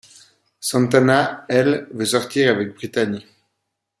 Santana, elle, veut sortir avec Brittany.